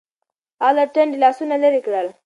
هغه له ټنډې لاسونه لرې کړل. .